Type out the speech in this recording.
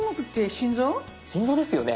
心臓ですよね